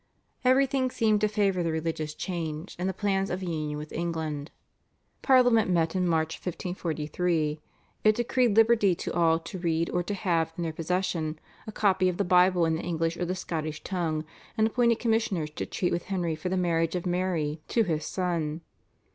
Everything seemed to favour the religious change and the plans of union with England. Parliament met in March 1543. It decreed liberty to all to read or to have in their possession a copy of the Bible in the English or the Scottish tongue, and appointed commissioners to treat with Henry for the marriage of Mary to his son.